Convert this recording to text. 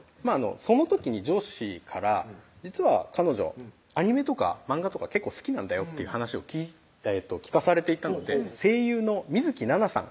その時に上司から「実は彼女アニメとかマンガとか結構好きなんだよ」っていう話を聞かされていたので声優の水樹奈々さん